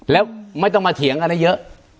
แล้วไม่ต้องมาเถียงกันได้เยอะ